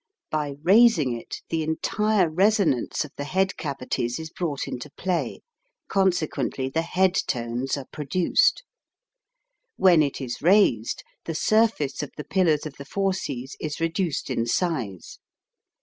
By raising it the entire resonance of the head cavities is brought into play consequently the head tones are produced. When it is raised the surface of the pillars of the fauces is re duced in size.